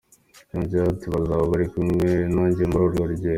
" Yongeyeho ati "Bazaba bari kumwe nanjye muri urwo rugendo.